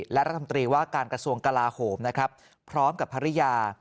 และรัฐมนตรีว่าการกระทรวงกลาโหมนะครับพร้อมกับภรรยา